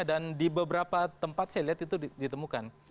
dan di beberapa tempat saya lihat itu ditemukan